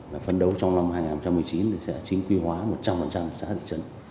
là phấn đấu trong năm hai nghìn một mươi chín sẽ chính quy hóa một trăm linh xã địa chấn